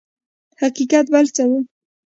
حقیقت بل څه و.